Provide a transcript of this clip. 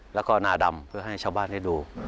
แล้วก็นาดำเพื่อให้ชาวบ้านได้ดู